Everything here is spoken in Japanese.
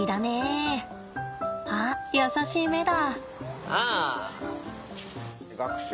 あっ優しい目だ。